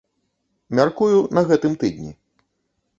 Мяркую, на гэтым тыдні.